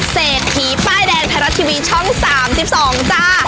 เศรษฐีป้ายแดงไทยรัฐทีวีช่อง๓๒จ้า